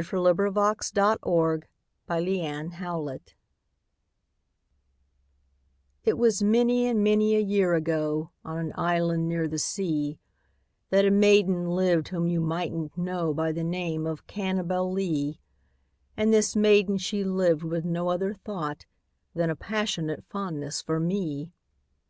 V^ Unknown, } 632 Parody A POE 'EM OF PASSION It was many and many a year ago, On an island near the sea, That a maiden lived whom you migbtnH know By the name of Cannibalee; And this maiden she lived with no other thought Than a passionate fondness for me.